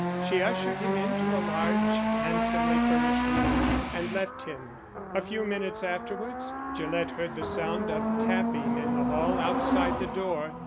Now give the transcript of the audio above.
She ushered him into a large, handsomely furnished room and left him. A few minutes afterwards Gillett heard the sound of tapping in the hall outside the door.